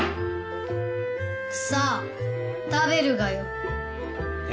さあ食べるがよい。